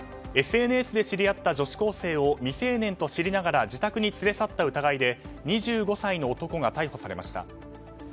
ＳＮＳで知り合った女子高生を未成年と知りながら自宅に連れ去った疑いで２５歳の男が逮捕されました。